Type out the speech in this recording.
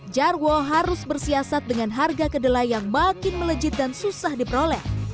jarwo harus bersiasat dengan harga kedelai yang makin melejit dan susah diperoleh